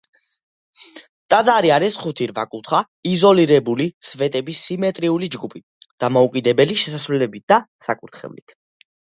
ტაძარი არის ხუთი რვაკუთხა, იზოლირებული სვეტების სიმეტრიული ჯგუფი, დამოუკიდებელი შესასვლელებით და საკურთხევლით.